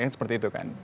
seperti itu kan